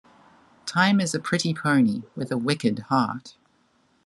Time is a pretty pony, with a wicked heart.